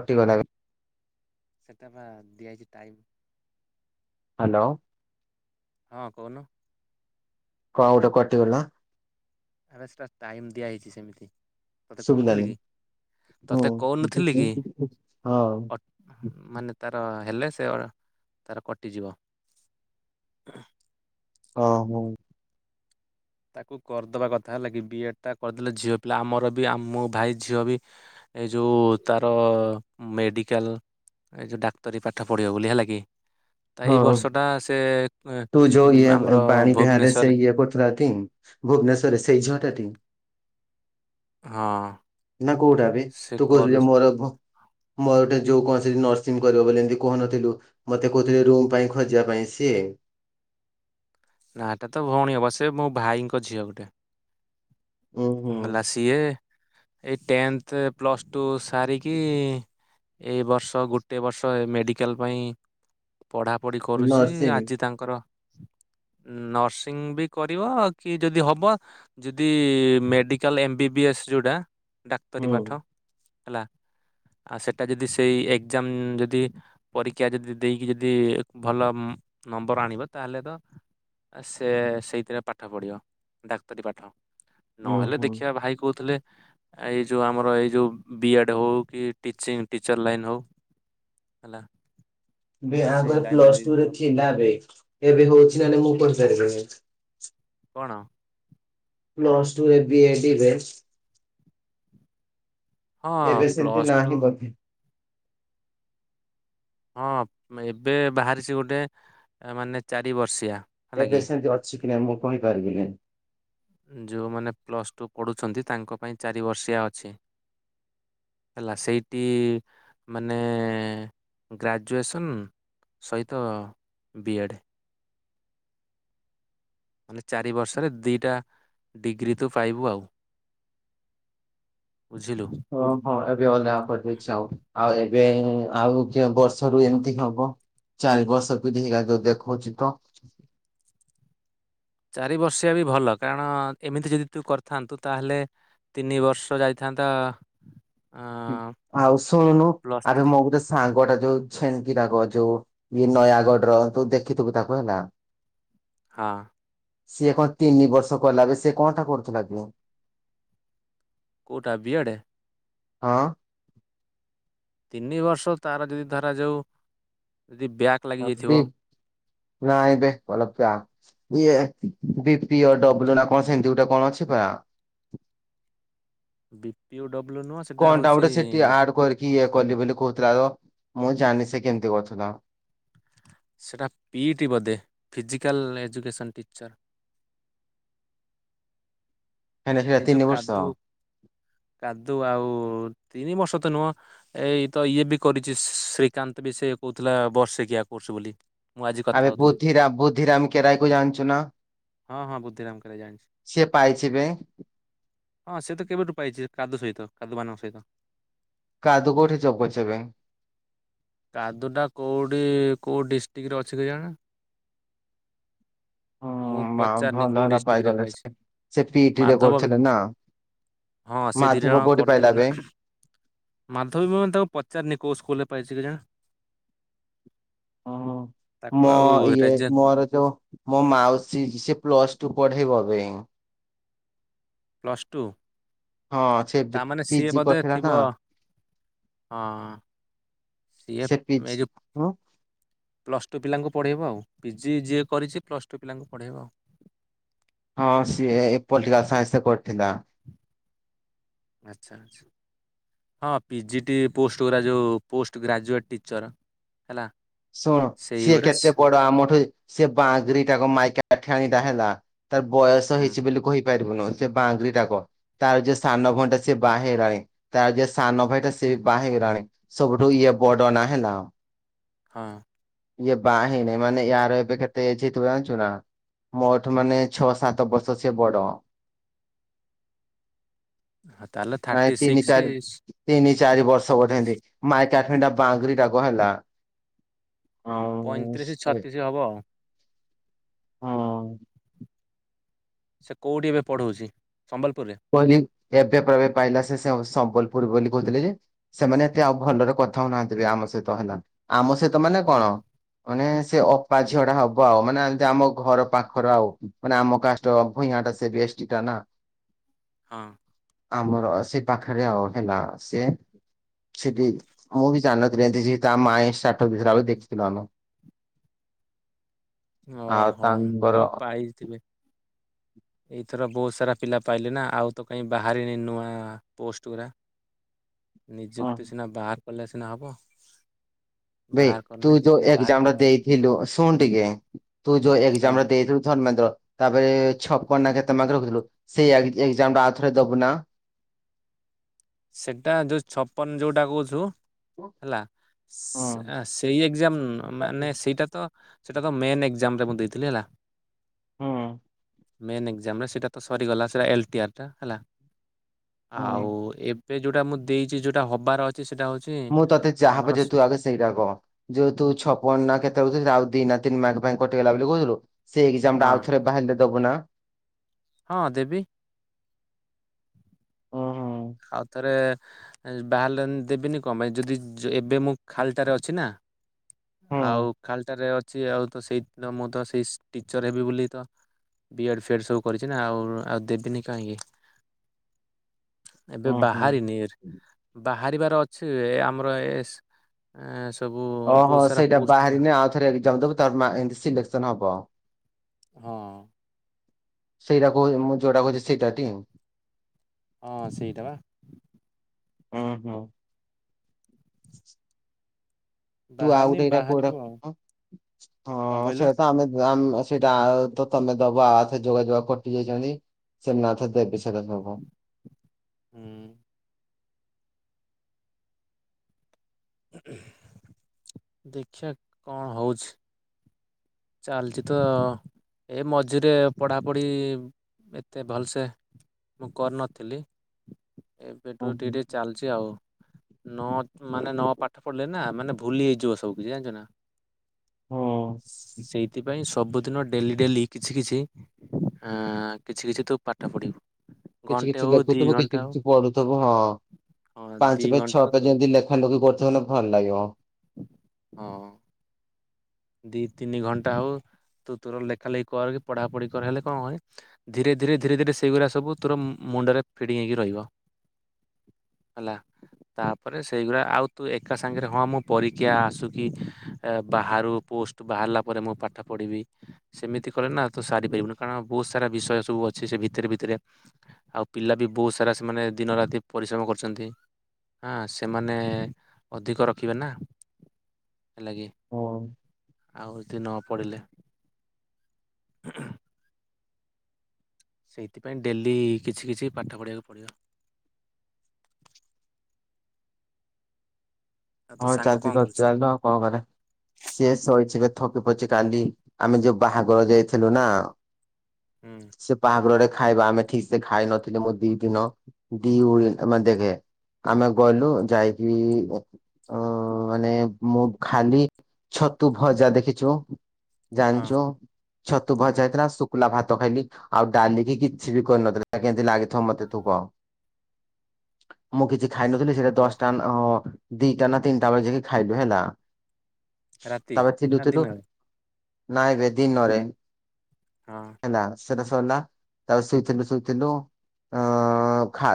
କଟିଗଲା କି? ସେଟା ପା ଦିଆ ହେଇଛି ଟାଇମ୍। ହ୍ୟାଲୋ। ହଁ କହୁନ। କଣ ଗୋଟେ କଟିଗଲା। ଆରେ ସେଟା ଟାଇମ ଦିଆ ହେଇଛି ସେମିତି। ତତେ କଉ ନଥିଲି ଶୁଭିଲାନି କି? ହୁଁ। ତତେ କଉ ନଥିଲି କି? ହଁ ଅଟ୍ ମାନେ ତାର ହେଲେ ସେ ଅ ତାର କଟିଯିବ। ଉହୁଁ। ଅ ମୁଁ ତାକୁ କରିଦେବା କଥା, ହେଲା କି, ବି ଏଡ଼୍ ଟା କରିଦେଲେ ଝିଅପିଲା ଆମର ବି ମୋ ଭାଇ ଝିଅବି ଏ ଯୋଉ ତାର ମେଡ଼ିକାଲ୍ ଏଇ ଯେଉଁ ଡାକ୍ତରୀ ପାଠ ପଢ଼ିବ ବୋଲି ହେଲାକି। ତ ହଁ ଏଇ ବର୍ଷଟା ସେ ଉଁ ଆମର ଅ ଭୁବନେଶ୍ଵରରେ ଏପଢ଼ୁଥିଲା ଥଙ୍ଗ୍ ଭୁବନେଶ୍ବରରେ ସେଇ ଝିଅଟାଟି? ହଁ। ନା କୋଉଟାବେ ସେ ତୁ କରୁ କହୁଥିଲୁଯେ ମୋର ଭ୍ ମୋର ଗୋଟେ ଯଉ କଣସି ନର୍ସିଂ କରିବ ବୋଲି ଏମତି କହୁନଥିଲୁ? ମତେ କହୁଥିଲେ ରୁମ୍ ପାଇଁ ଖୋଜିବା ପାଇଁ ସିଏ? ନା ଏଟାତ ଭଉଣୀ ହେବ ସେ ମୋଭାଇଙ୍କ ଝିଅ ଗୋଟେ। ଉଁ ହୁଁ। ହେଲା ସିଏ ଏଇ ଟେନ୍ଥ ପ୍ଲସ୍ ଟୁ ସାରିକି ଏଇ ବର୍ଷ ଗୋଟେ ବର୍ଷ ମେଡ଼ିକାଲ୍ ପାଇଁ ପଢ଼ାପଢି କରୁଚି ନର୍ସିଂ ଆଜି ତାଙ୍କର ନର୍ସିଂବି କରିବ, କିଯଦି ହବ ଯଦି medical M B B S ଯୋଉଟା ଡାକ୍ତରୀ ହୁଁ ପାଠ ହେଲା ଆଉ ସେଟା ଯଦି ସେଇ ଏକ୍ଜାମ୍ ଯଦି ପରୀକ୍ଷା ଯଦି ଦେଇକି ଯଦି ଭଲ ନମ୍ବର ଆଣିବ ତାହେଲେ ତ ଆସେ ସେଇଥିରେ ପାଠ ପଢ଼ିବ ଡାକ୍ତରୀ ପାଠ। ଉଁ ନହେଲେ ହୁଁ ଦେଖିଆ ଭାଇ କହୁଥିଲେ ଏଇ ଯୋଉ ଆମର ଏଇ ଯୋଉ ବି ଏଡ ହଉକି ଟିଚି ଟିଚର୍ ଲାଇନ୍ ହଉ ହେଲା। ବି ସେଇ ଆପରେ ଲାଇନ ପ୍ଲସ୍ ରେ ଟୁରେ ଦେବା ପାଇଁ ଥିଲା ଏବେ ଏବେ ହଉଚି ନାଇଁ ମୁଁ କହିପାରିବିନି। କଣ? ପ୍ଲସ୍ ଟୁରେ ବି ଏ ଡିରେ। ହଁ ଏବେ ସେମିତି ପ୍ଲସ୍ ନାହିଁ ଟୁ ବୋଧେ ହଁ ଏବେ ବାହାରିଚି ଗୋଟେ ମାନେ ଚାରି ବର୍ଷିଆ। ହେଲା ଏବେ କି ସେମିତି ଅଛିକି ନାହିଁ ମୁଁ କହିପାରିବିନି। ଯେଉଁମାନେ ପ୍ଲସ୍ ଟୁ ପଢ଼ୁଛନ୍ତି ତାଙ୍କ ପାଇଁ ଚାରି ବର୍ଷିଆ ଅଛି। ହେଲା ସେଇଠି ମାନେ ଗ୍ରାଜୁଏସନ୍ ସହିତ ବି ଏଡ଼୍। ମାନେ ଚାରି ବର୍ଷରେ ଦୁଇଟା ଡିଗ୍ରୀ ତୁ ପାଇବୁ ଆଉ। ବୁଝିଲୁ। ହଁ ଏବେ ଅଲଗା କରିଦେଇଛି ଆଉ ଆଉ ଏବେ ଆଉ ବର୍ଷରୁ ଏମିତି ହବ ଚାରି ବର୍ଷ ପିଧି ହେଇଗ ଯୋଉ ଦେଖଉଛିତ। ଚାରି ବର୍ଷିଆବି ଭଲ କାରଣ ଏମିତି ଯଦି ତୁ କରିଥାନ୍ତୁ ତାହେଲେ ତିନି ବର୍ଷ ଯାଇଥାନ୍ତା। ଆଉ ଶୁଣୁନୁ ପ୍ଲସ୍ ଆରେ ଥ୍ରୀ ମୋ ଗୋଟେ ସାଙ୍ଗଟା ଯୋଉ ଛେନ୍ଙ୍କିଟକ ଯୋଉ ଇଏ ନୟାଗଡ଼ର ତୁ ଦେଖିଥିବୁ ତାକୁ ହେଲା ହଁ। ସିଏ କଣ ତିନି ବର୍ଷ କଲାବି ସିଏ କଣଟା କରୁଥିଲାକି? କୋଉଟା ବିି ଏ ଡ଼େ? ହଁ। ତିନି ବର୍ଷ ତାର ଯଦି ଧରାଯାଉ ଯଦି ବ୍ୟା [unintelligible] ଇଏ ବି ପିଡବ୍ଲୁ ନା କଣ ସେମିତି ଗୋଟେ କଣ ଅଛି ବା ବି ପିଓ ବ୍ଲୁ ନୁହଁ ସେ କଣଟା ଗୋଟେ ସେଠି ଆଡ କରିକି ଇଏ କଲି ବୋଲି କହୁଥିଲା ତ ମୁଁ ଜାଣି ସେ କେମିତି କରଥିଲା। ସେଇଟା ପିଇଟି ବୋଧେ ଫିଜିକାଲ୍ ଏଜୁକେସନ୍ ଟିଚର୍। ହେଲେ ସେଟା ଏଇ ଯୋଉ ତିନି ବର୍ଷ କାଦୁ କାଦୁ ଆଉ ତିନି ବର୍ଷ ତ ନୁହଁ। ଏଇ ତ ଇଏ ବି କରିଛି ଶ୍ରୀକାନ୍ତ ବି ସେ କହୁଥିଲା ବର୍ଷେ କିିଆ କରୁଛି ବୋଲି। ମୁଁ ଆଜି କଥା ଆରେ ହଉଥିଲି ବୁଦ୍ଧିରାମ ବୁଦ୍ଧିରାମ କେରାଇ କୁ ଜାଣିଛୁ ନା। ହଁ ହଁ ବୁଦ୍ଧିରାମ କାଳେ ଜାଣିଛି ସିଏ ପାଇଜିବେ। ହଁ ସେ ତ କେବେଠୁ ପାଇଛି କାଦୁ ସହିତ କଦୁମନଙ୍କ ସହିତ। କାଦୁ କୋଉଠି ଚବଛ ଏ ବେ। କାଦୁଟା କେଉଠି କେଉ ଡିଷ୍ଟ୍ରିକ୍ଟରେ ଅଛି କେଜାଣି। ହୁଁ ମୁଁ ମା ପଚାରନି ଭଲ କୋଉ ହେଲା ଡିଷ୍ଟ୍ରିକ୍ଟରେ ପାଇଗଲେ ପାଇଛି ସେ ସେ ପିଇଟି ରେ ମାଧବ ବି କରୁଥିଲେ ନା ହଁ ସେ ଧିନରେ ମାଧବ କୋଉଠି ପାଇଲା କର୍ଥିଲେଥିଲେ ବେ ନା। ମାଧ୍ୟମିକ ମାନ ତାଙ୍କୁ ପଚାରନି କୋଉ ସ୍କୁଲରେ ପାଇଛି କି ଜଣେ। ହଁ ମୋ ତାକୁ ଆଉ ଇଏ ରେଜେ ମୋର ଯୋଉ ମୋ ମାଉସୀ ସେ ପ୍ଲସ ଟୁ ପଢେଇବା ପାଇଁ। ପ୍ଲସ୍ ଟୁ ହଁ ସେ ତାମାନେ ସିଏ ପିଜି ବୋଧେ କରିଥିଲା ନା ଥିବ। ହଁ ସିଏଫ ସେ ମ ପିଜି ଯେ ହଁ ପ୍ଲସ୍ ଟୁ ପିଲାଙ୍କୁ ପଢ଼ାଇବ ଆଉ ପିଜି ଯିଏ କରିଛି ପ୍ଲସ୍ ଟୁ ପିଲାଙ୍କୁ ପଢ଼ାଇବ ଆଉ। ହଁ ସିଏ ପଲିଟିକାଲ ସାଇନ୍ସ ରେ କରିଥିଲା। ଆଚ୍ଛା ଆଛା। ହଁ ପିଜି ଟି ପୋଷ୍ଟ ଗୁଡ଼ା ଯେଉଁ ପୋଷ୍ଟ ଗ୍ରାଜୁଏଟ୍ ଟିଚର୍ ହେଲା। ଶୁଣ ସିଏ ସେଇଗୁରା ସ କେତେ ବଡ ଆମଠୁ ସେ ବାଙ୍ଗରି ଟାକୁ ମାଇକା ଠାଣିଟା ହେଲା ତାର ବୟସ ହୁଁ ହେଇଛି ବେଲି କହିପାରିବୁନୁ ସେ ବାଙ୍ଗରିଟା ଗୋ। ତାର ଯିଏ ସାନ ଭଉଣୀଟା ସିଏ ବାହା ହେଇଲାଣି ତାର ଯିଏ ସାନ ଭାଇଟା ସିଏ ବି ବାହା ହେଇଗଲାଣି। ସବୁଠୁ ଇଏ ବଡ ନା ହେଲା। ହଁ। ଇଏ ବାହା ହେଇନେ ମାନେ ୟାର ଏବେ କେତେ ଏଜ୍ ହେଇଥିବ ଜାଣିଛୁ ନା ମୋଠୁ ମାନେ ଛଅ ସାତବର୍ଷ ସିଏ ବଡ। ହଁ ତାହେଲେ ନାଇଁ ଥାର୍ଟି ତିନି ସିକ୍ସ ଚାରି ତିନି ଚାରିବର୍ଷ ବୋଧେ ଛତିଶ ଏନ୍ତି। ମାଇ [unintelligible] ବାଙ୍ଗରିଟା ଗୋ ହେଲା। ଆଉ ପଇଁତିରିଶ ସେ ଛତିଶ ହବ ଆଉ। ହଁ ସେ କୋଉଠି ଏବେ ପଢଉଛି ସମ୍ବଲପୁରରେ। କହିଲି ଏବେ ବେ ପାଇଲା ସେ ସମ୍ବଲପୁର ବୋଲି କହୁଥିଲେ ଯେ ସେମାନେ ଏତେ ଆଉ ଭଲରେ କଥା ହଉନାହାଁନ୍ତି ବେ ଆମ ସହିତ ହେଲା ଆମ ସହିତ ମାନେ କଣ ମାନେ ସେ ଅପା ଝିଅଟା ହବ ଆଉ ମାନେ ଏନ୍ତି ଆମ ଘର ପାଖର ଆଉ। ମାନେ ଆମ କାଷ୍ଟ ଭୂଇଁଟା ସେ ବି ଏସ୍ଟି ଟା ନା। ହଁ। ଆମର ସେ ପାଖେରେ ଆଉ ହେଲା ସେ ସେଠି ମୁଁ ବି ଜାଣି ନଥିଲି ଏନ୍ତି ଯେ ତା ମାଇଁ ଷ୍ଟାଟସ ଦେଇଥିଲା ବୋଲି ଦେଖିଥିଲୁ ଆମେ। ଓ ଆଉ ହୋ ତାଙ୍କର ହଁ ପାଇଥିବେ। ଏଇଥର ବହୁତ ସାରା ପିଲା ପାଇଲେ ନା ଆଉ ତ କାଇଁ ବାହାରିନି ନୂଆ ପୋଷ୍ଟ ଗୁଡା। ନିଯୁକ୍ତି ସିନା ବାହାର କଲେ ସିନା ହବ। ବେ ବାହାର ତୁ କରିନି ଯୋଉ ଦେଖିବା ବାହାର ଏକଜାମଟା କରିବା ଦେଇଥିଲୁ ଶୁଣ ଟିକେ ତୁ ଯୋଉ ହଁ ଏଗଜାମ ଟା ଦେଇଥିଲୁ ଧର୍ମେନ୍ଦ୍ର ତାପରେ ଛପନ ନା କେତେମାର୍କ ରଖିଥିଲୁ ସେଇ ଏଗ୍ ଏଗଜାମଟା ଆଉଥରେ ଦବୁ ନା ସେଟା ଯୋଉ ଛପନ ଯୋଉଟା କହୁଚୁ ହେଲା ହୁଁ ସେଇ ଏକଜାମ୍ ମାନେ ସେଇଟା ତ ସେଇଟା ତ ମେନ୍ ଏକଜାମ୍ ରେ ମୁଁ ଦେଇଥିଲି ହେଲା। ହୁଁ। ମେନ୍ ଏକଜାମରେ ସେଇଟା ତ ସରିଗଲା ସେଇଟା ଏଲଟିଆର୍ ଟା ହେଲା ହୁଁ ଆଉ ଏ ବେ ଯୋଉଟା ମୁଁ ଦେଇଚି ଯୋଉଟା ହବାର ଅଛି ସେଇଟା ହଉଚି ମୁଁ ତତେ ଯାହା ପଚାରୁ ତୁ ଆଗ ସେଇଟା କହ। ଯୋଉ ତୁ ଛପନ ନା କେତେ ହଉଚି ସେଇ ଆଉ ଦି ନା ତିନି ମାର୍କ ପାଇଁ କଟିଗଲା ବେଲି କହୁଥିଲୁ ସେ ଏକଜାମ୍ ହଁ ଟା ଆଉଥରେ ବାହାରିଲେ ଦବୁ ନା? ହଁ ଦେବି। ହୁଁ ଆଉଥରେ ବାହାରିଲେ ଦେବିନି କଣ ପାଇଁ ଯଦି ଏବେ ମୁଁ ଖାଲି ଟାରେ ଅଛି ନା ହୁଁ ଆଉ ଖାଲିଟାରେ ଅଛି ଆଉ ତ ସେଇ ମୁଁ ତ ସେଇ ଟିଚର ହେବି ବୋଲି ତ ବିଏଡ୍ ଫିଏଡ୍ ସବୁ କରିଛି ନା ଆଉ ଆଉ ଦେବିନି କାହିଁକି। ଏବେ ହୁଁ ହୁଁ ବାହାରିନି ବାହାରିବାର ଅଛି ଆମର ଏ ଏ ସବୁ ବହୁତ ସାରା ପୋଷ୍ଟ ବା ଥରେ ଏଗଜାମ୍ ଦବୁ ତାର ଏନ୍ତି ସିଲେକ୍ସନ୍ ହବ। ହଁ। ସେଇଟା କହୁ ମୁଁ ଯୋଉଟା କହୁଛି ସେଇଟା ଟି ହଁ ସେଇଟା ବା ଉ ହୁ। [inaudible] ତୁ ଆଉ ବାହାରିନି ଗୋଟେ ଏଇଟା କୋଉଟା ବାହାରିବୁ ଆଉ ହଁ କଣ କହିଲୁ ସେଇଟା ତ ଆମେ ସେଇଟା ଆଉ ତମେ ଦବ ଆଉଥ ଯୋଗାଯୋଗ କଟି ଯାଇଛନ୍ତି ସେମାନେ ଆଉ ଥରେ ଦେବେ ସେଟା ସବୁ। ହୁଁ। [unintelligible] ଦେଖିବା କଣ ହଉଛି? ଚାଲିଛି ତ ଏ ମଝିରେ ପଢାପଢି ଏତେ ଭଲସେ। ମୁଁ କରିନଥିଲି ଏବେଠୁ ହୁଁ ଟିକେ ହୁଁ ଟିକେ ଚାଲଛି। ଅଛି ଆଉ ନ ମାନେ ନ ପାଠ ପଢ଼ିଲେ ନା ମାନେ ଭୁଲି ହେଇଯିବ ସବୁ କିଛି ଜାଣିଛ ନା। ହୁଁ। ସେଇଥିପାଇଁ ସବୁଦିନ ଡେଲି ଡେଲି କିଛି କିଛି ଆ କିଛି କିଛି ତୁ ପାଠ ପଢିବୁ। କିଛି ଘଣ୍ଟେ କିଛି ହଉ ଦି ଲେଖୁଥିବୁ ଘଣ୍ଟା କିଛି ହଉ କିଛି ପଢୁଥିବୁ ହଁ ହଁ ଦି ପାଞ୍ଚ ପାଇଁ ଘଣ୍ଟା ଛଅ ହଉ ପାଇଁ ଯେମିତି ଲ ଖାଣ୍ଡ କରୁଲେ ଭଲ ଲାଗିବ। ହଁ। ଦି ତିନି ଘଣ୍ଟା ହଉ ତୁ ତୋର ଲେଖା ଲେଖି କରି ପଢା ପଢି କରହେଲେ କଣ ହ। ଧୀରେ ଧୀରେ ଧୀରେ ଧୀରେ ସେଇଗୁଡ଼ା ସବୁ ତୋର ମୁଣ୍ଡରେ ଫିଡିଙ୍ଗ ହେଇକି ରହିବ। ହେଲା। ତାପରେ ସେଇଗୁଡ଼ା ଆଉ ତୁ ଏକା ସାଙ୍ଗରେ ହଁ ମୁଁ ପରୀକ୍ଷା ଆସୁ କିି ବାହାରୁ। ପୋଷ୍ଟ ବାହାରିଲା ପରେ ମୁଁ ପାଠ ପଢ଼ିବି। ସେମିତି କଲେ ନା ତ ସାରିପାରିବୁନି କାରଣ ବହୁତ ସାରା ବିଷୟ ସବୁ ଅଛି ସେ ଭିତରେ ଭିତରେ ଆଉ ପିଲା ବି ବହୁତ ସାରା ସେମାନେ ଦିନ ରାତି ପରିଶ୍ରମ କରିଛନ୍ତି। ହଁ ସେମାନେ ଅଧିକ ରଖିବେ ନା ହେଲାକି। ହଁ। ଆଉ ଯଦି ନ ପଢିଲେ। ସେଇଥିପାଇଁ ଡେଲି କିଛି କିଛି ପାଠ ପଢ଼ିବାକୁ ପଡ଼ିବ। ଆଉ ତୋ ହଁ ସାଙ୍ଗ ଚାଲିଛି କଣ ତ କରୁଛି? ଚା [unintelligible] ଆଉ କଣ କରିବା। ସିଏ ଶୋଇଥିବେ ଥକି ପଡିଚି କାଲି ଆମେ ଯୋଉ ବାହାଘର ଯାଇଥିଲୁ ନା। ହୁଁ। ସେ ବାହାଘରରେ ଖାଇବା ଆମେ ଠିକ ସେ ଖାଇ ନଥିଲି ମୁଁ ଦି ଦିନ ଦି ଓଳି ମାନେ ଦେଖ ଆମେ ଗଲୁ ଯାଇକି ଅ ମାନେ ମୁଁ ଖାଲି ଛତୁ ଭଜା ଦେଖିଛୁ। ହଁ ଜାଣିଛୁ ଛତୁ ହଁ ଭଜା ହେଇଥିଲା ସୁକ୍ ଲା ଭାତ ଖାଇଲି ଆଉ ଡାଲିକି କିଛି ବି କରିନଥିଲା କେମିତି ଲାଗିଥିବ ମତେ ତୁ କହ। ମୁଁ କିଛି ଖାଇ ନଥିଲି ସେଇଟା ଦଶଟା ଓହୋ ଦିଟା ନା ତିନିଟା ବେଳେ ଯାଇକି ଖାଇଲୁ ହେଲା। ରାତି ତାପରେ ଥିଲୁ ନା ଥିଲୁ ଦିନରେ ନାଇଁରେ ଦିନରେ ହଁ ହେଲା। ସେଟା ସଇଲା ତା ଶୋଇଥିଲୁ ଶୋଇଥିଲୁ। ଅ ଖା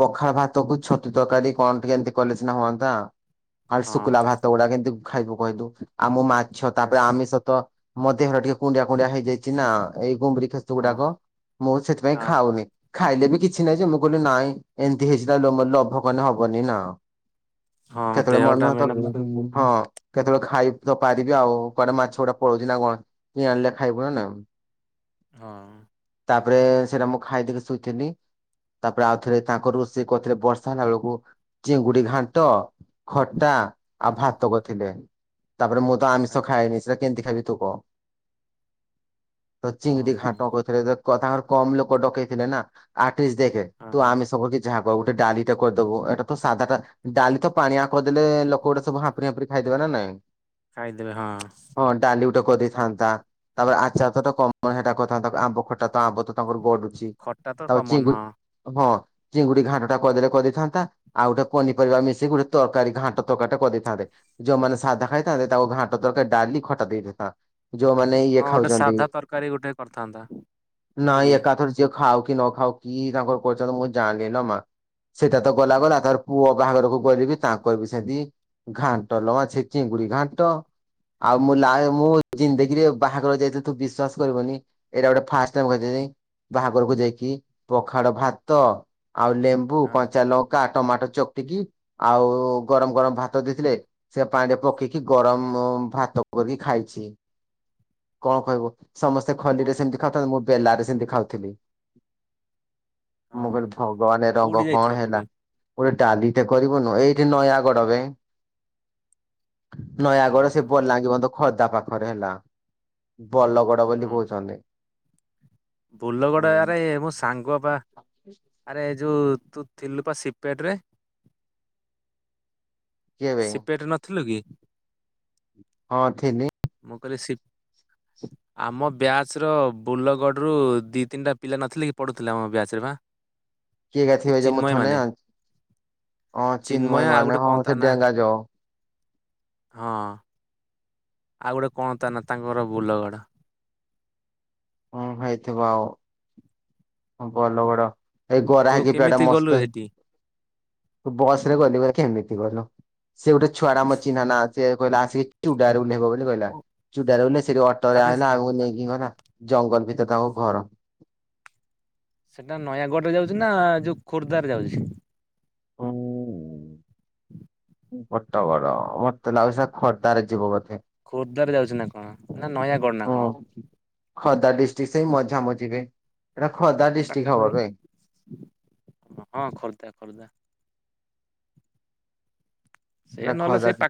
ପଖାଳ ଭାତକୁ ଛତୁ ତରକାରୀ କଣ ଟିକେ ଏମିତି କଲେ ସିନା ହୁଅନ୍ତା। ଆଉ ହଁ ଶୁଖୁଲା ହଁ ଭାତ ଗୁଡା କେମତି ଖାଇବୁ କହିଲୁ। ଆମ ମାଛ ତାପରେ ବେସ୍ ଆମିସ ତ ମୋ ଦେହର ଟିକେ କୁଣ୍ଡିଆ କୁଣ୍ଡିଆ ହେଇଯାଇଛି ନା ଏଇ ଗୁମୁରି ଖେଚ ହଁ ଗୁଡାକ ହଁ ମୁଁ ସେଥିପାଇଁ ହଁ। ଖାଉନି। ଖାଇଲେ ବି କିଛି ନାହିଁ ଯେ ମୁଁ କହିଲି ନାଇଁ ଏମିତି ହେଇଚି ତ ଲୋମ ଲୋଭ କଲେ ହବନି ନା। ହଁ କେତେବେଳେ ଦେହଟା ମନ ମେନ୍ ମୁଁ ହ ହଁ। କେତେବେଳେ ଖାଇ ତ ପାରିବି ଆଉ କୁଆଡେ ମାଛ ଗୋଟେ ପଳଉଛି ନା କଣ କି ଆଣିଲେ ଖାଇବୁ ନା ନା। ହଁ। ତାପରେ ସେଇଟା ମୁଁ ଖାଇଦେଇକି ଶୋଇଥିଲି। ତାପରେ ଆଉ ଥରେ ତାଙ୍କର ରୋଷେଇ କରିଥିଲେ ବର୍ଷା ହେଲା ବେଳକୁ ଚିଙ୍ଗୁଡି ଘାଣ୍ଟ ଖଟା ଆଉ ହଁ ଭାତ କରିଥିଲେ। ତାପରେ ମୁଁ ତ ଆମିଷ ଆଚ୍ଛା ଖାଏନି। ଏରା କେମିତି ଖାଇବି ତୁ କହ? ତ ଚିଙ୍ଗଡି ଓହୋ ଘାଣ୍ଟ କରିଥିଲେ ତ କ ତାଙ୍କର କମ ଲୋକ ଡକେଇଥିଲେ ନା ଆର୍ଟିଷ୍ଟ ଦେଖେ ହଁ ତୁ ହଁ ଆମିଷ ବୋଲି ଯାହା କହ ଗୋଟେ ଡାଲିଟେ କରିଦୋବୁ ଏଟା ତ ସାଧା ଟା ଡାଲି ତ ପାଣିଆ କରିଦେଲେ ଲୋକଗୁଡା ସବୁ ହାମ୍ପୁଡି ହାମ୍ପୁଡି ଖାଇଦେବେ ନା ନାଇଁ। ଖାଇଦେବେ ହଁ। ହଁ ଡାଲି ଗୋଟେ କରିଦେଇଥାନ୍ତା ତାପରେ ଆଚାର ତ ଟ କମ ହେଟା କରିଥାନ୍ତା ଆମ୍ବ ଖଟା ତ ଆମ୍ବ ତ ତାଙ୍କର ଗଡୁଛି ଖଟା ତ ତାପରେ କମନ ଚିଙ୍ଗୁ ହଁ ହଁ ଚିଙ୍ଗୁଡି ଘାଣ୍ଟ ଟା କରିଦେଲେ କରିଦେଇଥାନ୍ତା ଆଉ ଗୋଟେ ପନିପରିବା ମିଶିକି ଗୋଟେ ତରକାରୀ ଘାଣ୍ଟ ତରକାରୀ ଟେ କରିଦେଇଥାନ୍ତେ। ଯୋଉମାନେ ସାଧା ଖାଇଥାନ୍ତେ ତାକୁ ଘାଣ୍ଟ ତରକାରୀ ଡାଲି ଖଟା ଦେଇଥାତା। ଯୋଉମାନେ ଇଏ ହଁ ଗୋଟେ ଖାଉଛନ୍ତି ସାଧା ତରକାରୀ ଗୋଟେ କରିଥାନ୍ତା ନାଇଁ ନାଇ କି ଏକାଥରେ ଯିଏ ଖାଉ କି ନ ଖାଉ କି ତାଙ୍କର କରିଛନ୍ତି ମୁଁ ଜାଣିନି ଲୋ ମା। ସେଟା ତ ଗଲା ଗଲା ତାର ପୁଅ ବାହାଘରକୁ ଗଲିବି ତାଙ୍କରବି ସେନ୍ତି ଘାଣ୍ଟ ଲୋ ମା ଛି ଚିଙ୍ଗୁଡି ଘାଣ୍ଟ। ଆଉ ମୁଁ ଲାଏ ମୁଁ ଜିନ୍ଦଗିରେ ବାହାଘର ଯାଇଥିଲି ତୁ ବିଶ୍ଵାସ କରିବନି। ଏଇଟା ଗୋଟେ ଫାଷ୍ଟ ଭୋଗିଲି ବାହାଘରକୁ ଯାଇକି ପଖାଳ ଭାତ ଆଉ ଲେମ୍ବ ବୁ ହଁ କଞ୍ଚା ଲଙ୍କା ଟମାଟୋ ଚକଟିକି ଆଉ ଗରମ ଗରମ ଭାତ ଦେଇଥିଲେ। ସେ ପାଣିରେ ପକେଇକି ଗରମ ଭାତ କରିକି ଖାଇଛି କଣ କହିବ। ସମସ୍ତେ କୋଉ ଖଲିରେ ସେମିତି ଖାଉଥାନ୍ତି ମୁଁ ବେଲାରେ ସେମିତି ଖାଉଥିଲି। ମୁଁ ହଁ କହିଲି ହଁ ଭଗବାନ ଏ ରଙ୍ଗ କୋଉଠି କଣ ଯାଇଥିଲା ହେଲା କୋଉଠି ଗୋଟେ ଡାଲିଟେ କରିବ ମୁଁ ନୁହୁଁ ଏଇଠି ନୟାଗଡ ବେ ହଁ ନୟାଗଡ ସେ ହଁ ବଲାଙ୍ଗି ବନ୍ଧକୁ ଖୋର୍ଦ୍ଧା ପାଖରେ ହେଲା ବଲଗଡ ବୋଲି ହଁ କହୁଛନ୍ତି। ବୋଲଗଡ ଆରେ ମୋ ସାଙ୍ଗ ପା କିଏ ଆରେ ଯୋଉ ତୁ ଥିଲୁ ପା ସିପେଟ ରେ। ବେ ସିପେଟ ନଥିଲୁ କି? ହଁ ଥିଲି। ମଁ କଲି ସିିପ୍ [inaudible] ଆମ ବ୍ୟାଚ ର ବୋଲଗଡ଼ରୁ ଦି ତିନିଟା ପିଲା ନଥିଲେ କି ପଢୁଥିଲେ ଆମ ବ୍ୟାଚ ରେ ପା। କିଏ ଗା ଥିବେ ଯେ ମୁଁ ଥନେ ଆ ହଁ ଚିନ୍ମୟ ଆଉ ମାନେ ଗୋଟେ କଣ ହଁ ତା ସେ ନା ଡେଙ୍ଗା ଜ ହଁ। ଆଉ ଗୋଟେ କଣ ତା ନା ତାଙ୍କଘର ବୋଲଗଡ଼। ହଁ ହେଇଥିବ ଆଉ। ବୋଲଗଡ ଏଇ ଗୋରା ତୁ ହେକି ପିଲାଟା କେମିତି ଗଲୁ ମସ୍ତ ହେଠି? ବସ ରେ ଗଲି ବୋଲି କେମିତି ଗଲ ସେ ଗୋଟେ ଛୁଆଡା ଆମ ଚିହ୍ନା ନା ସେ କହିଲା ଆସିକି ଚୁଡାରେ ଉହ୍ଲେଇବ ବୋଲି କହିଲା ଚୁଡାରେ ଉହ୍ଲେଇ ସେଠି ଅଟରେ ଆରେ ଆଇଲା ଆଉ ନେଇକି ଗଲା। ଜଙ୍ଗଲ ଭିତରେ ତାଙ୍କ ଘର। ସେଟା ନୟାଗଡ଼ ରେ ଯାଉଚି ନା ଯୋଉ ଖୋର୍ଦ୍ଧାରେ ଯାଉଛି? ହୁଁ। ପଟ ବର ମତେ ଲାଗୁଛି ସେଟା ଖୋର୍ଦ୍ଧାରେ ଯିବ ବୋଧେ। ଖୋର୍ଦ୍ଧାରେ ଯାଉଛି ନା କଣ ନା ନୟାଗଡ଼ ନା କଣ। ଖର୍ଦ୍ଧା ଡିଷ୍ଟିକ ସେଇ ମଝା ମଝିରେ। ସେ ପାଖାପାଖି ହଁ ଖୋର୍ଦ୍ଦା ଖୋର୍ଦ୍ଦା। ସେ ଏଟା ନଲେ ଖୋର୍ଦ୍ଧା ସେଇ ପାଖ